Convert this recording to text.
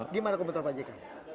gimana komentar pak jk